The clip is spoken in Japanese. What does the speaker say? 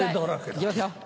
行きますよ。